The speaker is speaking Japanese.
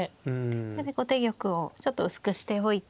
それで後手玉をちょっと薄くしておいて。